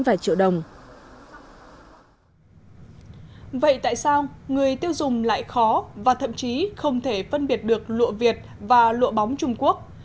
vậy tại sao người tiêu dùng lại khó và thậm chí không thể phân biệt được lụa việt và lụa bóng trung quốc